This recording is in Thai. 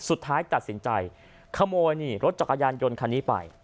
สุดท้ายตัดสินใจขโมยนี่รถจักรยานยนต์คันนี้ไป